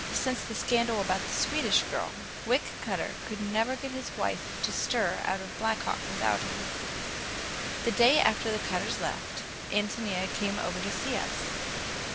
Since the scandal about the Swedish girl, Wick Cutter could never get his wife to stir out of Black Hawk without him. The day after the Cutters left, Ántonia came over to see us.